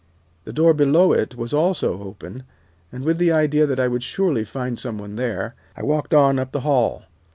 The door below it was also open, and with the idea that I would surely find some one there, I walked on up the hall.